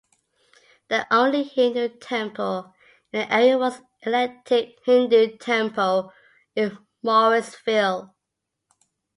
The only Hindu Temple in the area was an eclectic Hindu Temple in Morrisville.